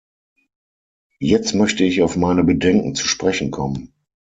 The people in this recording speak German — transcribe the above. Jetzt möchte ich auf meine Bedenken zu sprechen kommen.